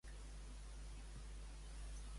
Pernes en l'aire.